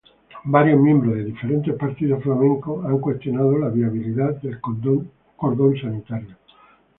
Varios miembros de varios partidos flamencos han cuestionado la viabilidad del cordón sanitario.